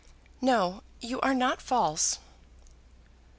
"No; you are not false!"